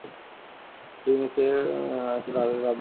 ফি-মেসের একটা রাঁধবার স্থান আছে।